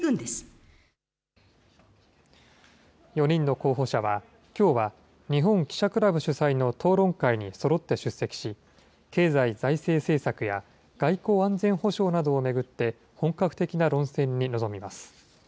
候補者はきょうは、日本記者クラブ主催の討論会にそろって出席し、経済・財政政策や外交・安全保障などを巡って、本格的な論戦に臨みます。